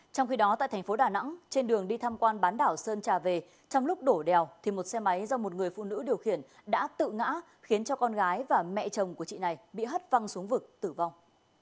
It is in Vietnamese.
trong khi đó tại thành phố đà nẵng trên đường đi tham quan bán đảo sơn trà về trong lúc đổ đèo thì một xe máy do một người phụ nữ điều khiển đã tự ngã khiến cho con gái và mẹ chồng của chị này bị hất văng xuống vực tử vong